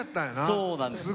そうなんです。